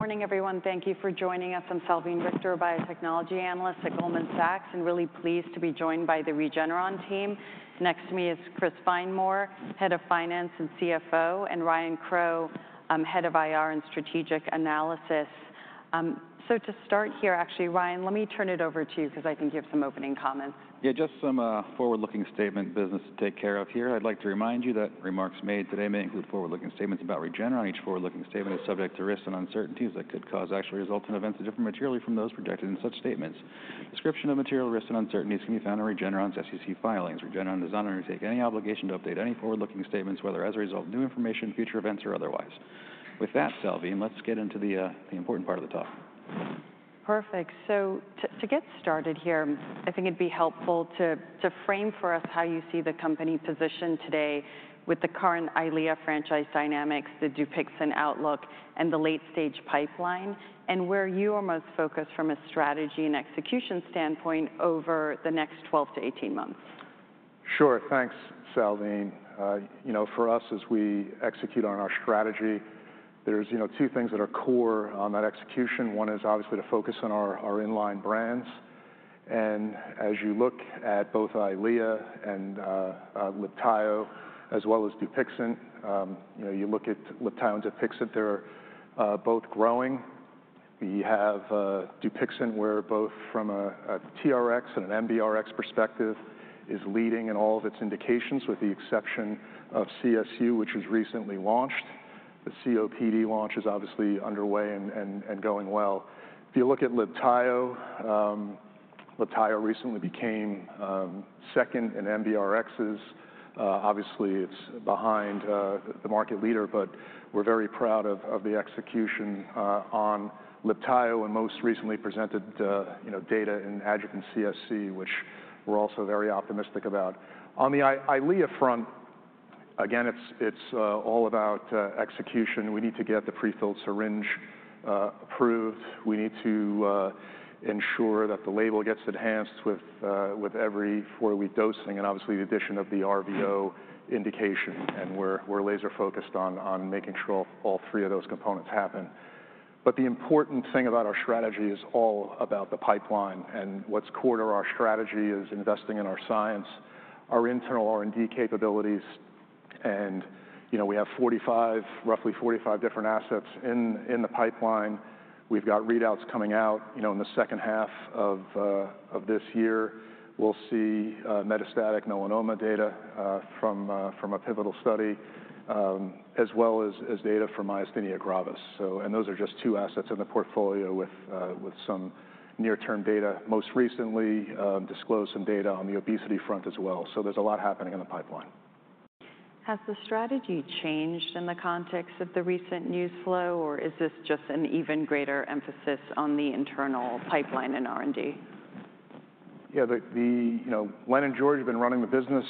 Morning, everyone. Thank you for joining us. I'm Salveen Richter, a biotechnology analyst at Goldman Sachs, and really pleased to be joined by the Regeneron team. Next to me is Chris Fenimore, Head of Finance and CFO, and Ryan Crowe, Head of IR and Strategic Analysis. To start here, actually, Ryan, let me turn it over to you because I think you have some opening comments. Yeah, just some forward-looking statement business to take care of here. I'd like to remind you that remarks made today may include forward-looking statements about Regeneron. Each forward-looking statement is subject to risks and uncertainties that could cause actual results and events to differ materially from those projected in such statements. Description of material, risks, and uncertainties can be found in Regeneron's SEC filings. Regeneron does not undertake any obligation to update any forward-looking statements, whether as a result of new information, future events, or otherwise. With that, Salveen, let's get into the important part of the talk. Perfect. To get started here, I think it'd be helpful to frame for us how you see the company positioned today with the current Eylea franchise dynamics, the Dupixent outlook, and the late-stage pipeline, and where you are most focused from a strategy and execution standpoint over the next 12-18 months. Sure, thanks, Salveen. For us, as we execute on our strategy, there are two things that are core on that execution. One is obviously to focus on our inline brands. As you look at both Eylea and Libtayo, as well as Dupixent, you look at Libtayo and Dupixent, they're both growing. We have Dupixent, where both from a TRx and an NRx perspective, is leading in all of its indications, with the exception of CSU, which was recently launched. The COPD launch is obviously underway and going well. If you look at Libtayo, Libtayo recently became second in NRx. Obviously, it's behind the market leader, but we're very proud of the execution on Libtayo and most recently presented data in adjuvant CSC, which we're also very optimistic about. On the Eylea front, again, it's all about execution. We need to get the prefilled syringe approved. We need to ensure that the label gets enhanced with every four-week dosing and obviously the addition of the RVO indication. We're laser-focused on making sure all three of those components happen. The important thing about our strategy is all about the pipeline. What's core to our strategy is investing in our science, our internal R&D capabilities. We have roughly 45 different assets in the pipeline. We've got readouts coming out in the second half of this year. We'll see metastatic melanoma data from a pivotal study, as well as data from Myasthenia Gravis. Those are just two assets in the portfolio with some near-term data. Most recently, disclosed some data on the obesity front as well. There's a lot happening in the pipeline. Has the strategy changed in the context of the recent news flow, or is this just an even greater emphasis on the internal pipeline and R&D? Yeah, Len and George have been running the business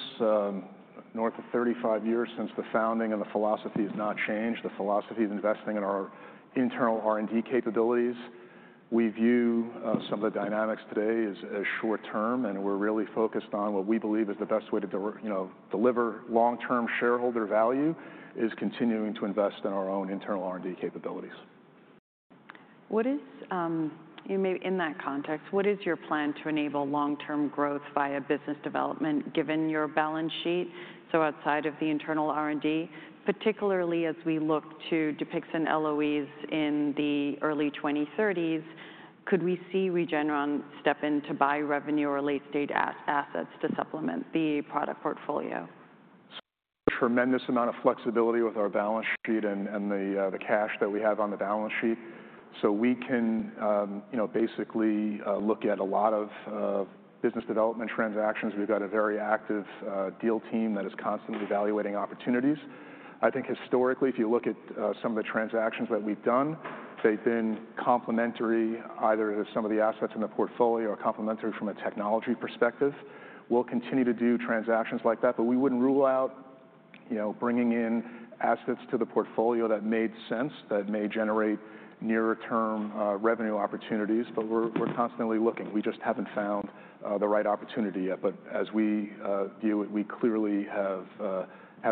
north of 35 years since the founding, and the philosophy has not changed. The philosophy of investing in our internal R&D capabilities. We view some of the dynamics today as short-term, and we're really focused on what we believe is the best way to deliver long-term shareholder value is continuing to invest in our own internal R&D capabilities. In that context, what is your plan to enable long-term growth via business development given your balance sheet, so outside of the internal R&D, particularly as we look to Dupixent LOEs in the early 2030s? Could we see Regeneron step into buy revenue or late-stage assets to supplement the product portfolio? Tremendous amount of flexibility with our balance sheet and the cash that we have on the balance sheet. We can basically look at a lot of business development transactions. We've got a very active deal team that is constantly evaluating opportunities. I think historically, if you look at some of the transactions that we've done, they've been complementary either to some of the assets in the portfolio or complementary from a technology perspective. We'll continue to do transactions like that, we wouldn't rule out bringing in assets to the portfolio that made sense, that may generate nearer-term revenue opportunities. We're constantly looking. We just haven't found the right opportunity yet. As we view it, we clearly have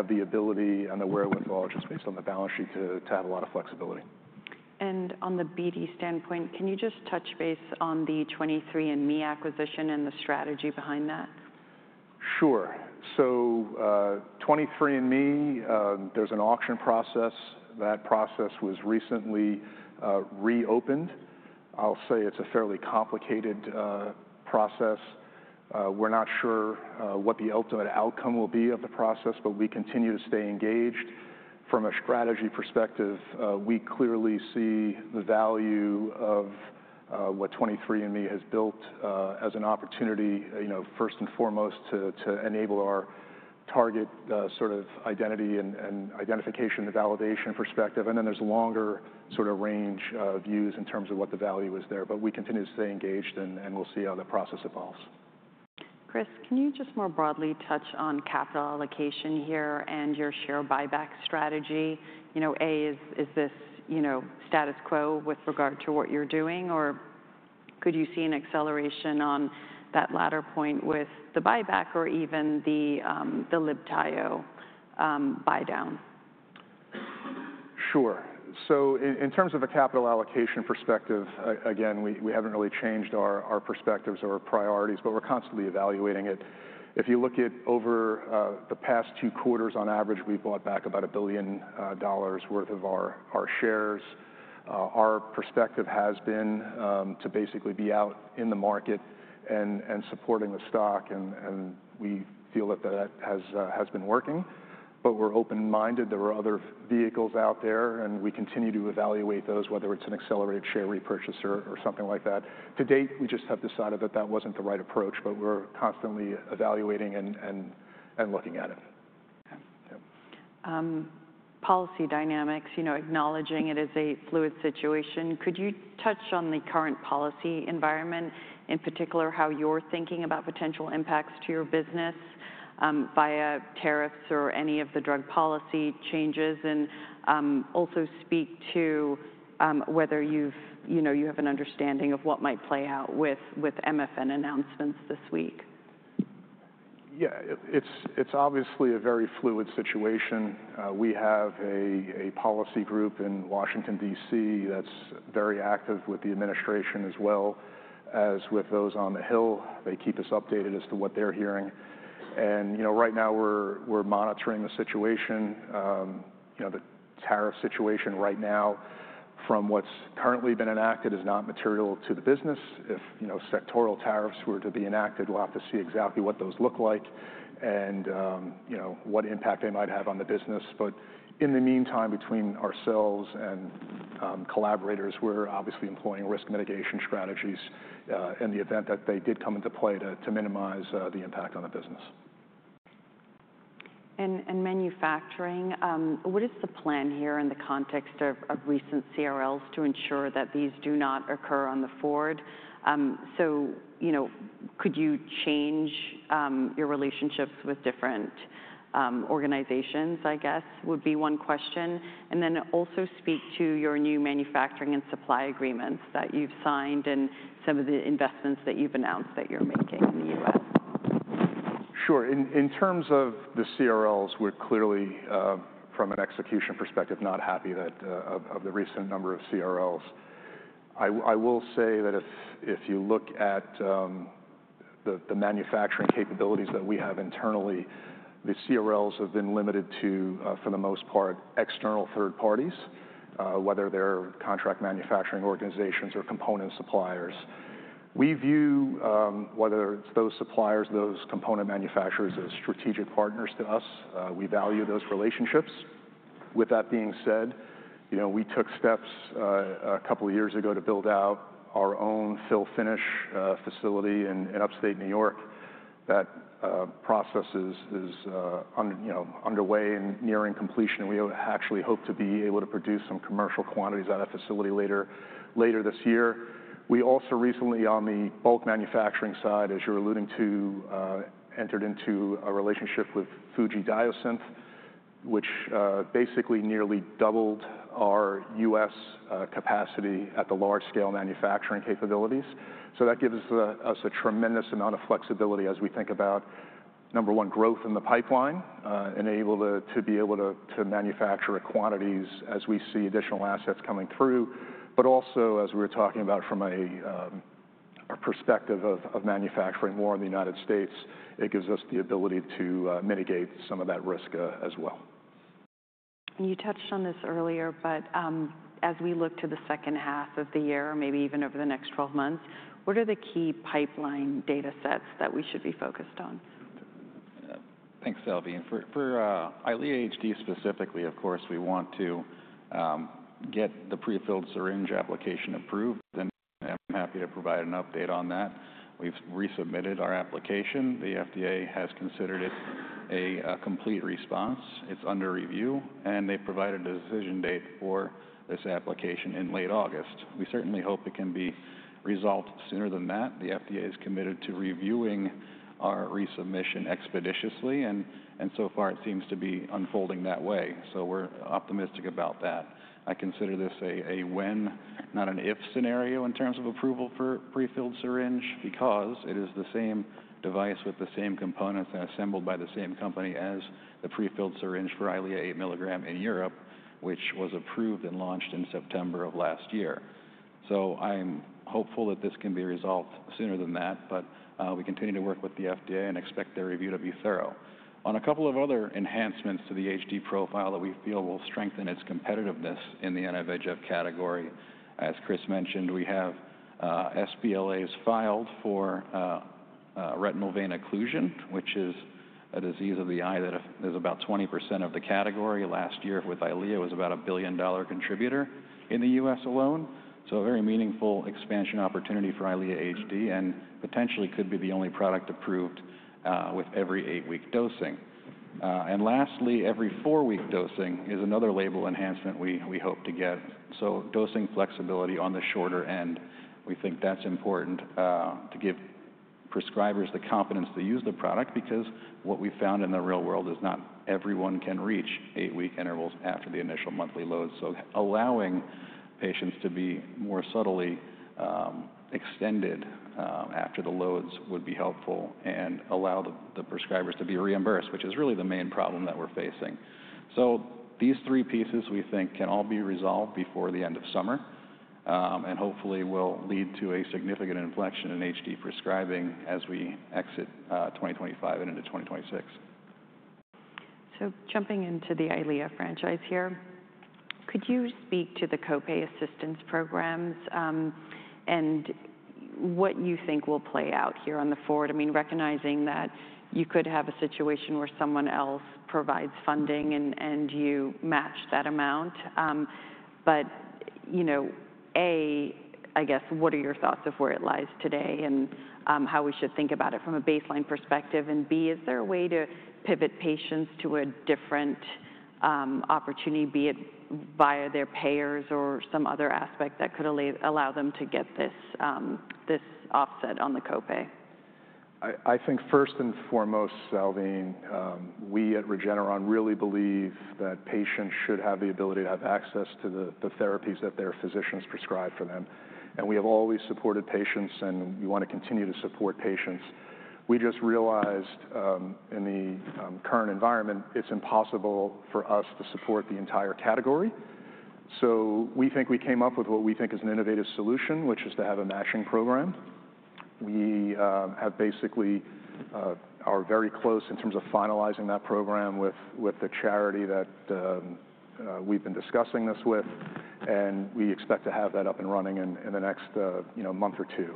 the ability and the wherewithal, just based on the balance sheet, to have a lot of flexibility. On the BD standpoint, can you just touch base on the 23andMe acquisition and the strategy behind that? Sure. 23andMe, there's an auction process. That process was recently reopened. I'll say it's a fairly complicated process. We're not sure what the ultimate outcome will be of the process, but we continue to stay engaged. From a strategy perspective, we clearly see the value of what 23andMe has built as an opportunity, first and foremost, to enable our target sort of identity and identification and validation perspective. Then there's a longer sort of range of views in terms of what the value is there. We continue to stay engaged, and we'll see how the process evolves. Chris, can you just more broadly touch on capital allocation here and your share buyback strategy? A, is this status quo with regard to what you're doing, or could you see an acceleration on that latter point with the buyback or even the Libtayo buy down? Sure. In terms of a capital allocation perspective, again, we have not really changed our perspectives or our priorities, but we are constantly evaluating it. If you look at over the past two quarters, on average, we bought back about $1 billion worth of our shares. Our perspective has been to basically be out in the market and supporting the stock, and we feel that that has been working. We are open-minded. There are other vehicles out there, and we continue to evaluate those, whether it is an accelerated share repurchase or something like that. To date, we just have decided that that was not the right approach, but we are constantly evaluating and looking at it. Policy dynamics, acknowledging it is a fluid situation. Could you touch on the current policy environment, in particular how you're thinking about potential impacts to your business via tariffs or any of the drug policy changes? Could you also speak to whether you have an understanding of what might play out with MFN announcements this week? Yeah, it's obviously a very fluid situation. We have a policy group in Washington, D.C., that's very active with the administration as well as with those on the Hill. They keep us updated as to what they're hearing. Right now, we're monitoring the situation. The tariff situation right now, from what's currently been enacted, is not material to the business. If sectoral tariffs were to be enacted, we'll have to see exactly what those look like and what impact they might have on the business. In the meantime, between ourselves and collaborators, we're obviously employing risk mitigation strategies in the event that they did come into play to minimize the impact on the business. Manufacturing, what is the plan here in the context of recent CRLs to ensure that these do not occur on the forward? Could you change your relationships with different organizations, I guess, would be one question. Also, speak to your new manufacturing and supply agreements that you have signed and some of the investments that you have announced that you are making in the U.S. Sure. In terms of the CRLs, we're clearly, from an execution perspective, not happy of the recent number of CRLs. I will say that if you look at the manufacturing capabilities that we have internally, the CRLs have been limited to, for the most part, external third parties, whether they're contract manufacturing organizations or component suppliers. We view whether it's those suppliers, those component manufacturers as strategic partners to us. We value those relationships. With that being said, we took steps a couple of years ago to build out our own fill-finish facility in Upstate New York. That process is underway and nearing completion. We actually hope to be able to produce some commercial quantities at that facility later this year. We also recently, on the bulk manufacturing side, as you're alluding to, entered into a relationship with FUJIFILM Diosynth, which basically nearly doubled our U.S. capacity at the large-scale manufacturing capabilities. That gives us a tremendous amount of flexibility as we think about, number one, growth in the pipeline, enable to be able to manufacture at quantities as we see additional assets coming through. Also, as we were talking about from our perspective of manufacturing more in the United States, it gives us the ability to mitigate some of that risk as well. You touched on this earlier, but as we look to the second half of the year, maybe even over the next 12 months, what are the key pipeline data sets that we should be focused on? Thanks, Salveen. For Eylea HD specifically, of course, we want to get the prefilled syringe application approved, and I'm happy to provide an update on that. We've resubmitted our application. The FDA has considered it a complete response. It's under review, and they've provided a decision date for this application in late August. We certainly hope it can be resolved sooner than that. The FDA is committed to reviewing our resubmission expeditiously, and so far, it seems to be unfolding that way. We're optimistic about that. I consider this a when, not an if scenario in terms of approval for prefilled syringe, because it is the same device with the same components and assembled by the same company as the prefilled syringe for Eylea 8 mg in Europe, which was approved and launched in September of last year. I'm hopeful that this can be resolved sooner than that, but we continue to work with the FDA and expect their review to be thorough. On a couple of other enhancements to the HD profile that we feel will strengthen its competitiveness in the VEGF category. As Chris mentioned, we have sBLAs filed for retinal vein occlusion, which is a disease of the eye that is about 20% of the category. Last year, with Eylea, it was about a billion-dollar contributor in the U.S. alone. A very meaningful expansion opportunity for Eylea HD and potentially could be the only product approved with every eight-week dosing. Lastly, every four-week dosing is another label enhancement we hope to get. Dosing flexibility on the shorter end, we think that's important to give prescribers the confidence to use the product because what we found in the real world is not everyone can reach eight-week intervals after the initial monthly loads. Allowing patients to be more subtly extended after the loads would be helpful and allow the prescribers to be reimbursed, which is really the main problem that we're facing. These three pieces, we think, can all be resolved before the end of summer and hopefully will lead to a significant inflection in HD prescribing as we exit 2025 and into 2026. Jumping into the Eylea franchise here, could you speak to the copay assistance programs and what you think will play out here on the forward? I mean, recognizing that you could have a situation where someone else provides funding and you match that amount. A, I guess, what are your thoughts of where it lies today and how we should think about it from a baseline perspective? B, is there a way to pivot patients to a different opportunity, be it via their payers or some other aspect that could allow them to get this offset on the copay? I think first and foremost, Salveen, we at Regeneron really believe that patients should have the ability to have access to the therapies that their physicians prescribe for them. We have always supported patients, and we want to continue to support patients. We just realized in the current environment, it's impossible for us to support the entire category. We think we came up with what we think is an innovative solution, which is to have a matching program. We are very close in terms of finalizing that program with the charity that we've been discussing this with, and we expect to have that up and running in the next month or two.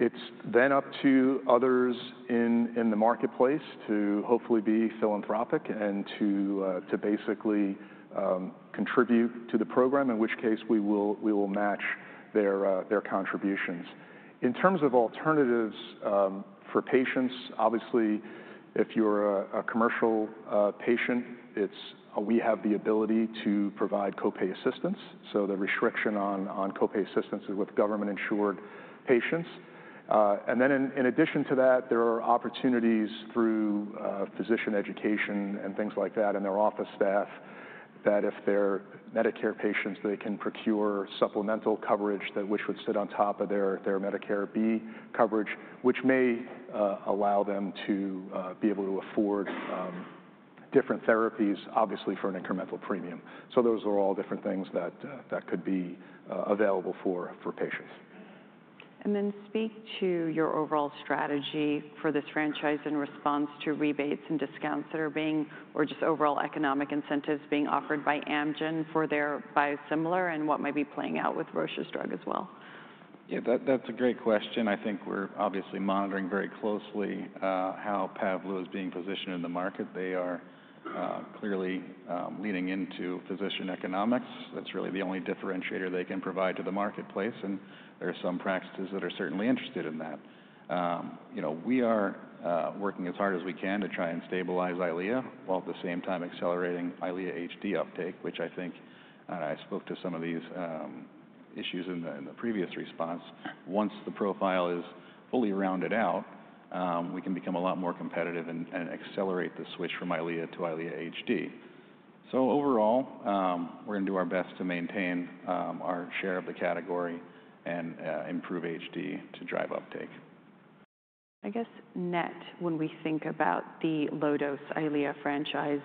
It is then up to others in the marketplace to hopefully be philanthropic and to contribute to the program, in which case we will match their contributions. In terms of alternatives for patients, obviously, if you're a commercial patient, we have the ability to provide copay assistance. The restriction on copay assistance is with government-insured patients. In addition to that, there are opportunities through physician education and things like that and their office staff that if they're Medicare patients, they can procure supplemental coverage that would sit on top of their Medicare B coverage, which may allow them to be able to afford different therapies, obviously, for an incremental premium. Those are all different things that could be available for patients. Then speak to your overall strategy for this franchise in response to rebates and discounts that are being or just overall economic incentives being offered by Amgen for their biosimilar and what might be playing out with Roche's drug as well. Yeah, that's a great question. I think we're obviously monitoring very closely how Pavblu is being positioned in the market. They are clearly leaning into physician economics. That's really the only differentiator they can provide to the marketplace, and there are some practices that are certainly interested in that. We are working as hard as we can to try and stabilize Eylea while at the same time accelerating Eylea HD uptake, which I think, and I spoke to some of these issues in the previous response. Once the profile is fully rounded out, we can become a lot more competitive and accelerate the switch from Eylea to Eylea HD. Overall, we're going to do our best to maintain our share of the category and improve HD to drive uptake. I guess net, when we think about the low-dose Eylea franchise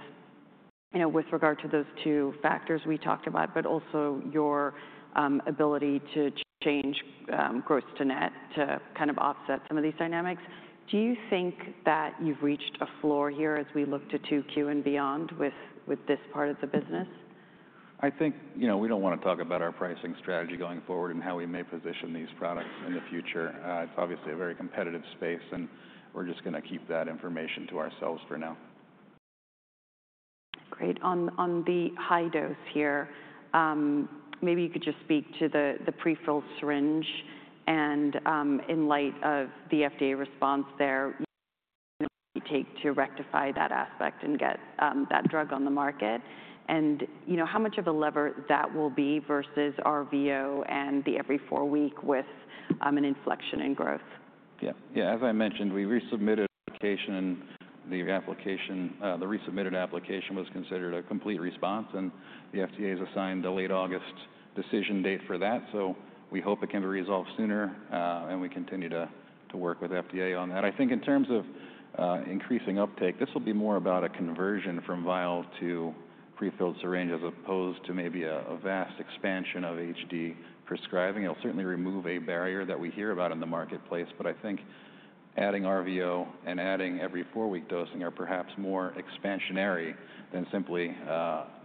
with regard to those two factors we talked about, but also your ability to change gross to net to kind of offset some of these dynamics, do you think that you've reached a floor here as we look to 2Q and beyond with this part of the business? I think we don't want to talk about our pricing strategy going forward and how we may position these products in the future. It's obviously a very competitive space, and we're just going to keep that information to ourselves for now. Great. On the high dose here, maybe you could just speak to the prefilled syringe. In light of the FDA response there, what it would take to rectify that aspect and get that drug on the market and how much of a lever that will be versus RVO and the every four-week with an inflection in growth. Yeah. Yeah, as I mentioned, we resubmitted the application. The resubmitted application was considered a complete response, and the FDA has assigned a late August decision date for that. We hope it can be resolved sooner, and we continue to work with FDA on that. I think in terms of increasing uptake, this will be more about a conversion from vial to prefilled syringe as opposed to maybe a vast expansion of HD prescribing. It'll certainly remove a barrier that we hear about in the marketplace, but I think adding RVO and adding every four-week dosing are perhaps more expansionary than simply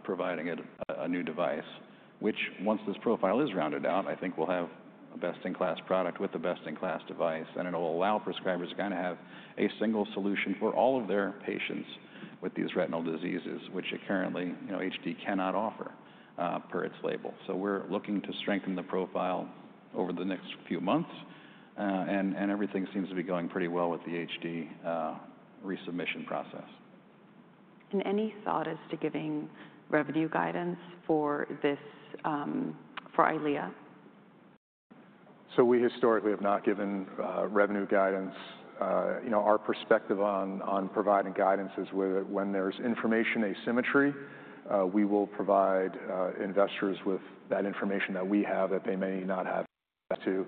providing a new device, which once this profile is rounded out, I think we'll have a best-in-class product with the best-in-class device, and it'll allow prescribers to kind of have a single solution for all of their patients with these retinal diseases, which apparently HD cannot offer per its label. We are looking to strengthen the profile over the next few months, and everything seems to be going pretty well with the HD resubmission process. Any thought as to giving revenue guidance for Eylea? We historically have not given revenue guidance. Our perspective on providing guidance is when there is information asymmetry, we will provide investors with that information that we have that they may not have access to.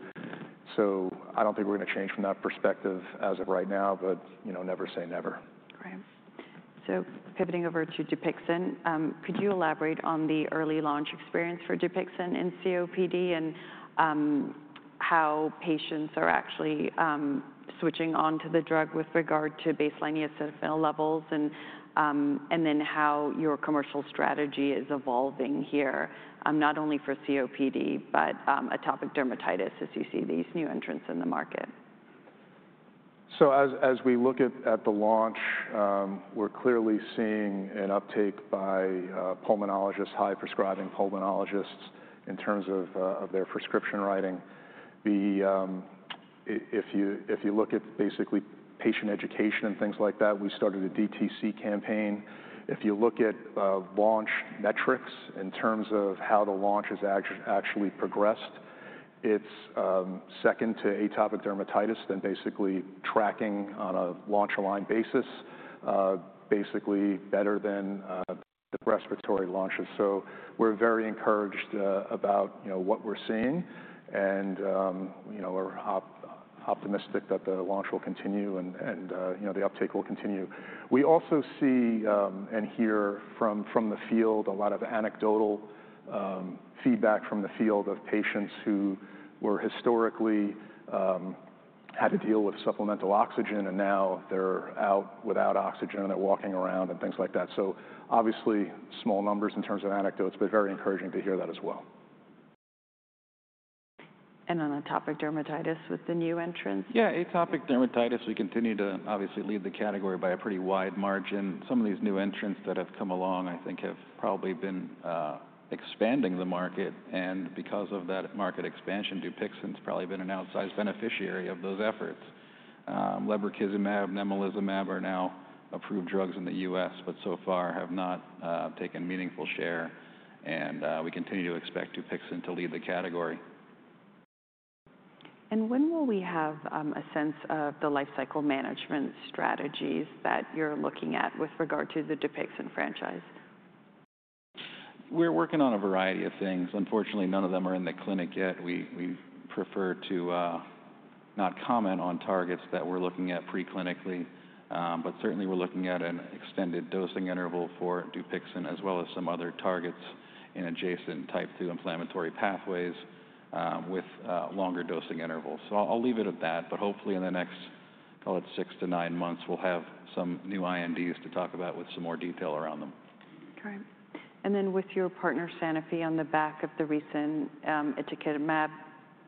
I do not think we are going to change from that perspective as of right now, but never say never. Right. Pivoting over to Dupixent, could you elaborate on the early launch experience for Dupixent and COPD and how patients are actually switching on to the drug with regard to baseline eosinophil levels, and then how your commercial strategy is evolving here, not only for COPD, but atopic dermatitis as you see these new entrants in the market? As we look at the launch, we're clearly seeing an uptake by pulmonologists, high-prescribing pulmonologists in terms of their prescription writing. If you look at basically patient education and things like that, we started a DTC campaign. If you look at launch metrics in terms of how the launch has actually progressed, it's second to atopic dermatitis, then basically tracking on a launch-aligned basis, basically better than the respiratory launches. We're very encouraged about what we're seeing and optimistic that the launch will continue and the uptake will continue. We also see and hear from the field a lot of anecdotal feedback from the field of patients who historically had to deal with supplemental oxygen and now they're out without oxygen and they're walking around and things like that. Obviously, small numbers in terms of anecdotes, but very encouraging to hear that as well. On atopic dermatitis with the new entrants? Yeah, atopic dermatitis, we continue to obviously lead the category by a pretty wide margin. Some of these new entrants that have come along, I think, have probably been expanding the market, and because of that market expansion, Dupixent's probably been an outsized beneficiary of those efforts. Lebrikizumab and nemolizumab are now approved drugs in the U.S., but so far have not taken meaningful share, and we continue to expect Dupixent to lead the category. When will we have a sense of the life cycle management strategies that you're looking at with regard to the Dupixent franchise? We're working on a variety of things. Unfortunately, none of them are in the clinic yet. We prefer to not comment on targets that we're looking at preclinically, but certainly we're looking at an extended dosing interval for Dupixent as well as some other targets in adjacent type II inflammatory pathways with longer dosing intervals. I'll leave it at that, but hopefully in the next, call it six to nine months, we'll have some new INDs to talk about with some more detail around them. Okay. With your partner, Sanofi, on the back of the recent Etokimab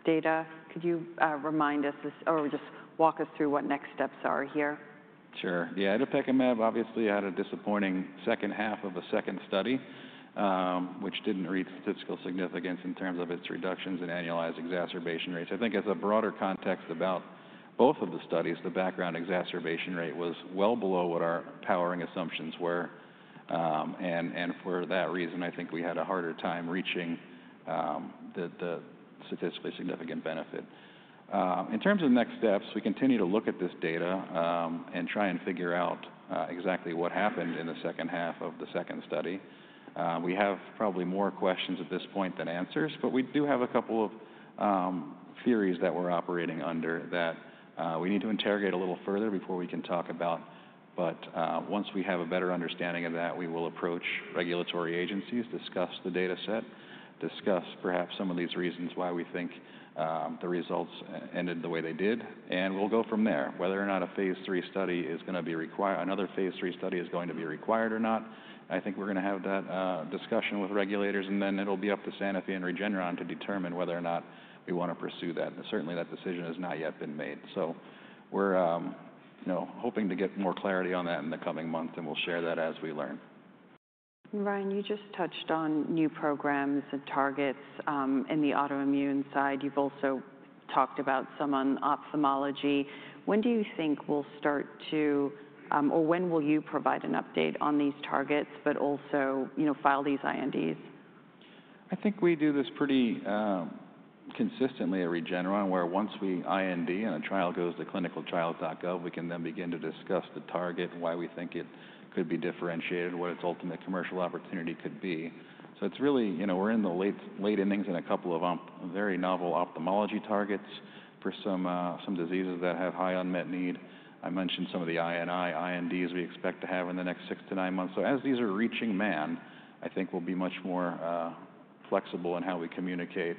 data, could you remind us or just walk us through what next steps are here? Sure. Yeah, Etokimab obviously had a disappointing second half of a second study, which did not reach statistical significance in terms of its reductions in annualized exacerbation rates. I think as a broader context about both of the studies, the background exacerbation rate was well below what our powering assumptions were, and for that reason, I think we had a harder time reaching the statistically significant benefit. In terms of next steps, we continue to look at this data and try and figure out exactly what happened in the second half of the second study. We have probably more questions at this point than answers, but we do have a couple of theories that we are operating under that we need to interrogate a little further before we can talk about. Once we have a better understanding of that, we will approach regulatory agencies, discuss the dataset, discuss perhaps some of these reasons why we think the results ended the way they did, and we'll go from there. Whether or not a phase III study is going to be required, another phase III study is going to be required or not, I think we're going to have that discussion with regulators, and then it'll be up to Sanofi and Regeneron to determine whether or not we want to pursue that. Certainly, that decision has not yet been made. We're hoping to get more clarity on that in the coming month, and we'll share that as we learn. Ryan, you just touched on new programs and targets in the autoimmune side. You've also talked about some on ophthalmology. When do you think we'll start to, or when will you provide an update on these targets, but also file these INDs? I think we do this pretty consistently at Regeneron, where once we IND and a trial goes to clinicaltrials.gov, we can then begin to discuss the target, why we think it could be differentiated, what its ultimate commercial opportunity could be. It is really, we are in the late innings and a couple of very novel ophthalmology targets for some diseases that have high unmet need. I mentioned some of the INDs we expect to have in the next six to nine months. As these are reaching man, I think we will be much more flexible in how we communicate.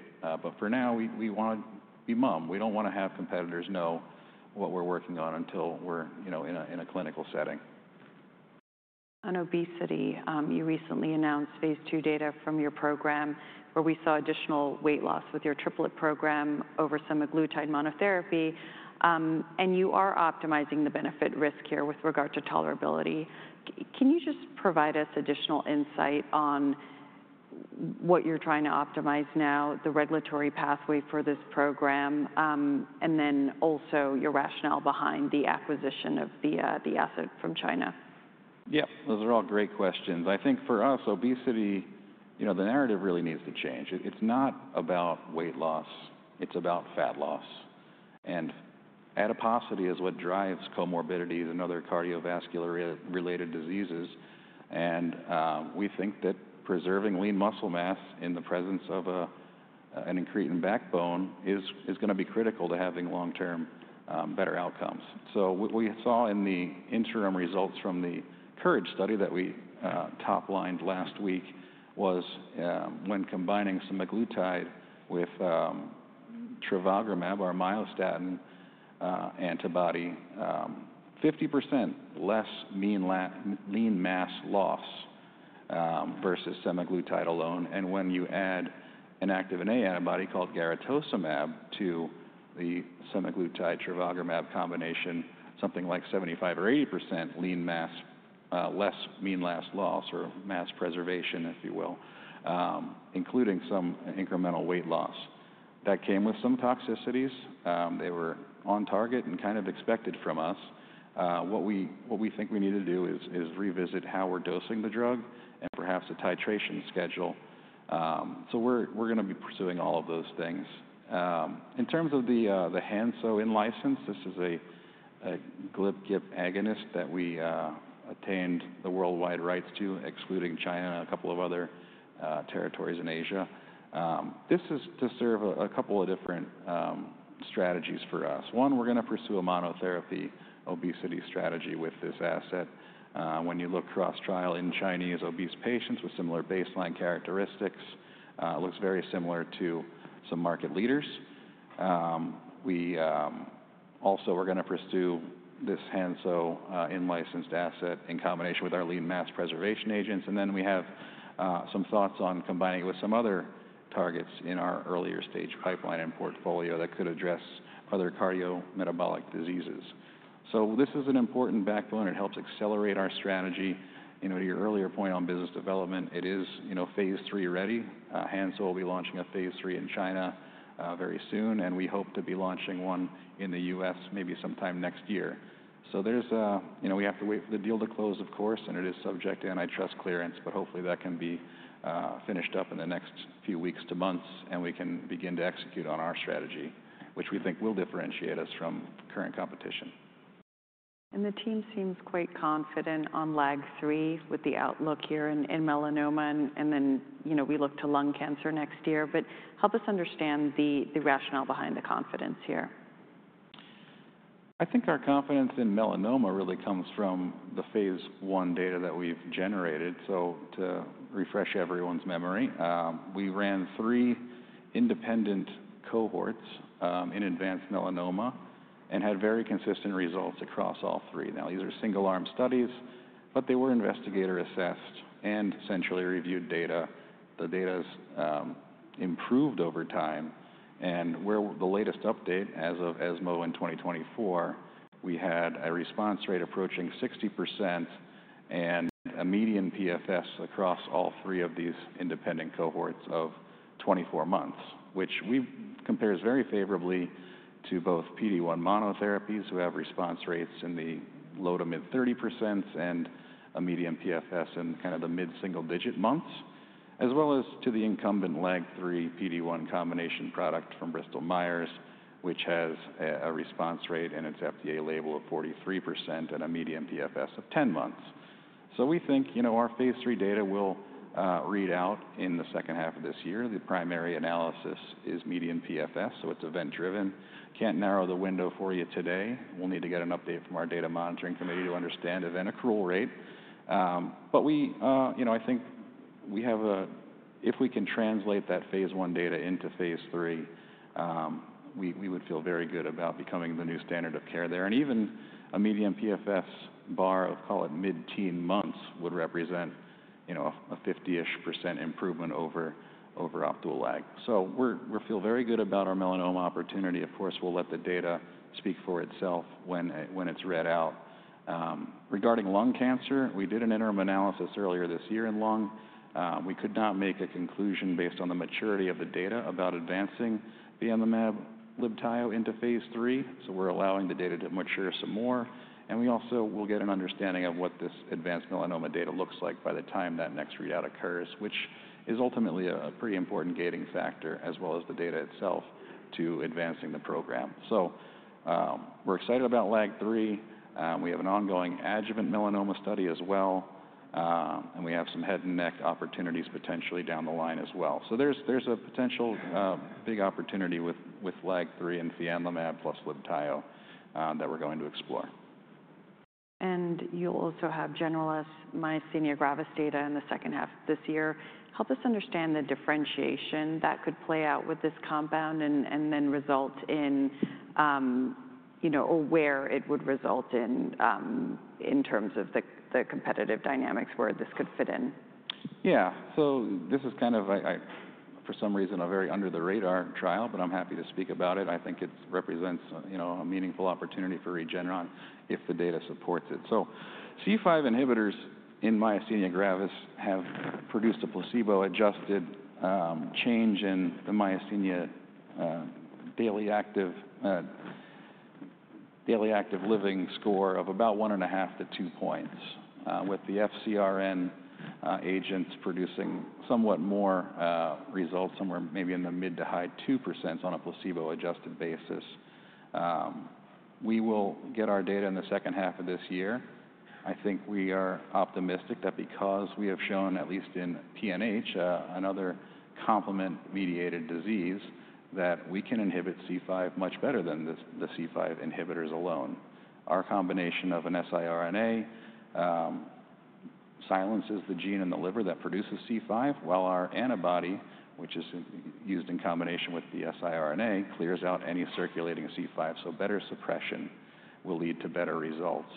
For now, we want to be mum. We do not want to have competitors know what we are working on until we are in a clinical setting. On obesity, you recently announced phase II data from your program where we saw additional weight loss with your triplet program over semaglutide monotherapy, and you are optimizing the benefit-risk here with regard to tolerability. Can you just provide us additional insight on what you're trying to optimize now, the regulatory pathway for this program, and then also your rationale behind the acquisition of the asset from China? Yeah, those are all great questions. I think for us, obesity, the narrative really needs to change. It's not about weight loss. It's about fat loss. And adiposity is what drives comorbidities and other cardiovascular-related diseases. We think that preserving lean muscle mass in the presence of an increase in backbone is going to be critical to having long-term better outcomes. What we saw in the interim results from the COURAGE study that we top-lined last week was when combining semaglutide with trevogrumab, our myostatin antibody, 50% less lean mass loss versus semaglutide alone. When you add an Activin A antibody called garetosmab to the semaglutide-trevogrumab combination, something like 75%-80% lean mass, less mean mass loss or mass preservation, if you will, including some incremental weight loss. That came with some toxicities. They were on target and kind of expected from us. What we think we need to do is revisit how we're dosing the drug and perhaps a titration schedule. We're going to be pursuing all of those things. In terms of the Hansoh in-license, this is a GLP-1/GIP agonist that we attained the worldwide rights to, excluding China and a couple of other territories in Asia. This is to serve a couple of different strategies for us. One, we're going to pursue a monotherapy obesity strategy with this asset. When you look cross-trial in Chinese obese patients with similar baseline characteristics, it looks very similar to some market leaders. Also, we're going to pursue this Hansoh in-licensed asset in combination with our lean mass preservation agents. We have some thoughts on combining it with some other targets in our earlier stage pipeline and portfolio that could address other cardiometabolic diseases. This is an important backbone. It helps accelerate our strategy. To your earlier point on business development, it is phase III ready. Hansoh will be launching a phase III in China very soon, and we hope to be launching one in the U.S. maybe sometime next year. We have to wait for the deal to close, of course, and it is subject to antitrust clearance, but hopefully that can be finished up in the next few weeks to months, and we can begin to execute on our strategy, which we think will differentiate us from current competition. The team seems quite confident on LAG-3 with the outlook here in melanoma, and then we look to lung cancer next year. Help us understand the rationale behind the confidence here. I think our confidence in melanoma really comes from the phase I data that we've generated. To refresh everyone's memory, we ran three independent cohorts in advanced melanoma and had very consistent results across all three. These are single-arm studies, but they were investigator-assessed and centrally reviewed data. The data has improved over time. The latest update as of ESMO in 2024, we had a response rate approaching 60% and a median PFS across all three of these independent cohorts of 24 months, which compares very favorably to both PD-1 monotherapies who have response rates in the low to mid 30% and a median PFS in kind of the mid single-digit months, as well as to the incumbent LAG-3 PD-1 combination product from Bristol Myers, which has a response rate in its FDA label of 43% and a median PFS of 10 months. We think our phase III data will read out in the second half of this year. The primary analysis is median PFS, so it is event-driven. Cannot narrow the window for you today. We will need to get an update from our data monitoring committee to understand event accrual rate. I think if we can translate that phase I data into phase III, we would feel very good about becoming the new standard of care there. Even a median PFS bar of, call it mid-teen months, would represent a 50% improvement over optimal lag. We feel very good about our melanoma opportunity. Of course, we will let the data speak for itself when it is read out. Regarding lung cancer, we did an interim analysis earlier this year in lung. We could not make a conclusion based on the maturity of the data about advancing the MMLab Libtayo into phase III. So we're allowing the data to mature some more. And we also will get an understanding of what this advanced melanoma data looks like by the time that next readout occurs, which is ultimately a pretty important gating factor as well as the data itself to advancing the program. So we're excited about LAG-3. We have an ongoing adjuvant melanoma study as well, and we have some head-and-neck opportunities potentially down the line as well. So there's a potential big opportunity with LAG-3 and fianlimab plus Libtayo that we're going to explore. You will also have Generalised, myasthenia gravis data in the second half of this year. Help us understand the differentiation that could play out with this compound and then result in where it would result in in terms of the competitive dynamics where this could fit in. Yeah. This is kind of, for some reason, a very under-the-radar trial, but I'm happy to speak about it. I think it represents a meaningful opportunity for Regeneron if the data supports it. C5 inhibitors in myasthenia gravis have produced a placebo-adjusted change in the myasthenia daily active living score of about one and a half to two points, with the FCRN agents producing somewhat more results, somewhere maybe in the mid to high 2% on a placebo-adjusted basis. We will get our data in the second half of this year. I think we are optimistic that because we have shown, at least in PNH, another complement-mediated disease, that we can inhibit C5 much better than the C5 inhibitors alone. Our combination of an siRNA silences the gene in the liver that produces C5, while our antibody, which is used in combination with the siRNA, clears out any circulating C5. Better suppression will lead to better results.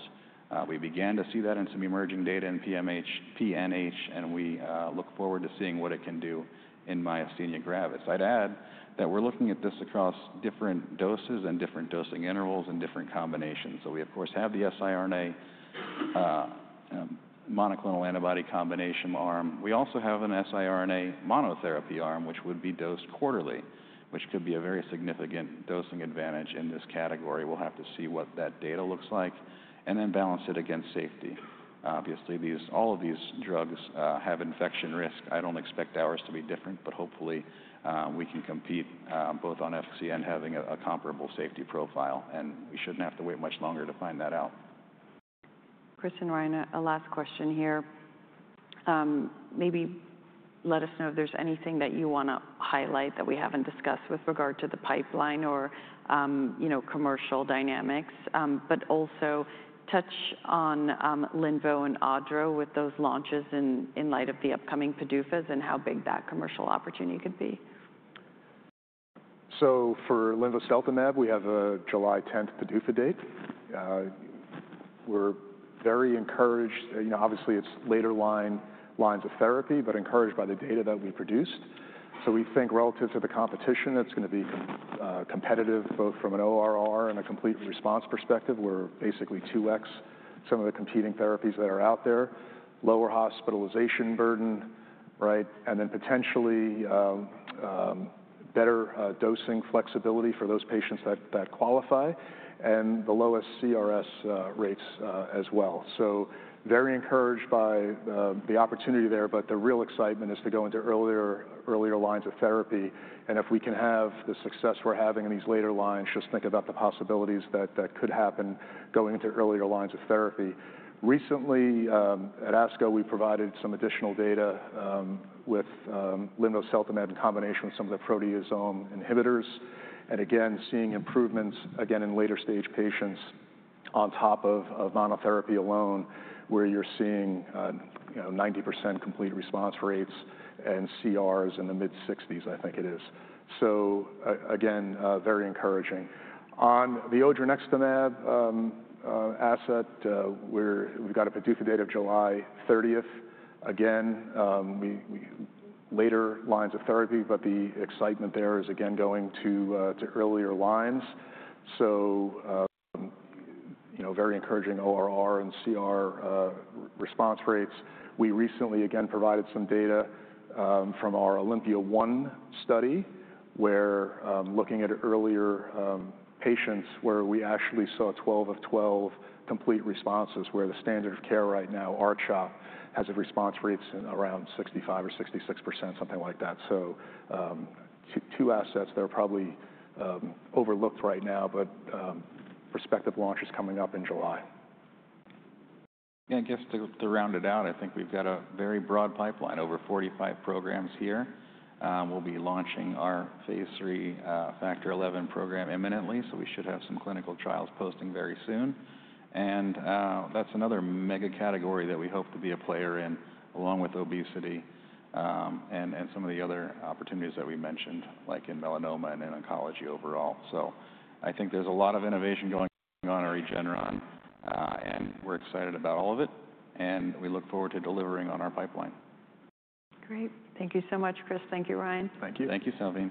We began to see that in some emerging data in PNH, and we look forward to seeing what it can do in myasthenia gravis. I'd add that we're looking at this across different doses and different dosing intervals and different combinations. We, of course, have the siRNA monoclonal antibody combination arm. We also have an siRNA monotherapy arm, which would be dosed quarterly, which could be a very significant dosing advantage in this category. We'll have to see what that data looks like and then balance it against safety. Obviously, all of these drugs have infection risk. I don't expect ours to be different, but hopefully we can compete both on efficacy and having a comparable safety profile, and we shouldn't have to wait much longer to find that out. Chris and Ryan, a last question here. Maybe let us know if there's anything that you want to highlight that we haven't discussed with regard to the pipeline or commercial dynamics, but also touch on Linvoseltamab and Odronextamab with those launches in light of the upcoming PDUFAs and how big that commercial opportunity could be. For Linvoseltamab, we have a July 10th PDUFA date. We're very encouraged. Obviously, it's later lines of therapy, but encouraged by the data that we produced. We think relative to the competition, it's going to be competitive both from an ORR and a complete response perspective. We're basically 2x some of the competing therapies that are out there, lower hospitalization burden, right, and then potentially better dosing flexibility for those patients that qualify, and the lowest CRS rates as well. Very encouraged by the opportunity there, but the real excitement is to go into earlier lines of therapy. If we can have the success we're having in these later lines, just think about the possibilities that could happen going into earlier lines of therapy. Recently, at ASCO, we provided some additional data with Linvoseltamab in combination with some of the proteasome inhibitors. Again, seeing improvements in later stage patients on top of monotherapy alone, where you're seeing 90% complete response rates and CRs in the mid-60s, I think it is. Very encouraging. On the Odronextamab asset, we've got a PDUFA date of July 30th. Later lines of therapy, but the excitement there is going to earlier lines. Very encouraging ORR and CR response rates. We recently again provided some data from our OLYMPIA-1 study where looking at earlier patients where we actually saw 12 of 12 complete responses where the standard of care right now, R-CHOP, has a response rate around 65% or 66%, something like that. Two assets that are probably overlooked right now, but prospective launches coming up in July. Yeah, I guess to round it out, I think we've got a very broad pipeline, over 45 programs here. We'll be launching our phase III Factor XI program imminently, so we should have some clinical trials posting very soon. That is another mega category that we hope to be a player in along with obesity and some of the other opportunities that we mentioned, like in melanoma and in oncology overall. I think there's a lot of innovation going on at Regeneron, and we're excited about all of it, and we look forward to delivering on our pipeline. Great. Thank you so much, Chris. Thank you, Ryan. Thank you. Thank you, Salveen.